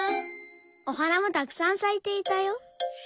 おはなもたくさんさいていたよ。